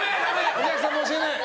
お客さんも教えない！